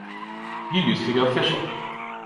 You used to go fishing.